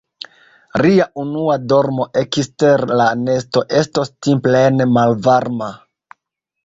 Ria unua dormo ekster la nesto estos timplene malvarma.